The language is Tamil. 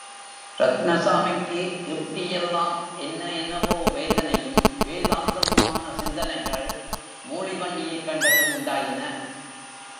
ரத்தினசாமிக்கு இப்டியெல்லாம் என்ன என்னவோ வேதனையும் வேதாந்தமுமான சிந்தனைகள், மூளி வண்டியைக் கண்டதும் உண்டாயின.